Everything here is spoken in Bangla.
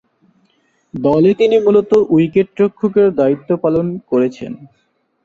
দলে তিনি মূলতঃ উইকেট-রক্ষকের দায়িত্ব পালন করেছেন।